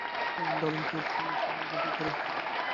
তাই এমন দারুণ ক্রোধ হল সেই নিরপরাধের উপরে।